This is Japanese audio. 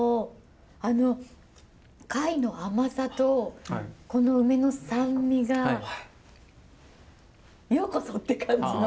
あの貝の甘さと梅の酸味がようこそって感じの。